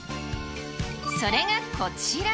それがこちら。